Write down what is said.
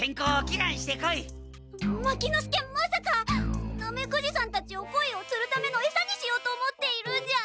牧之介まさかナメクジさんたちをコイをつるためのえさにしようと思っているんじゃ。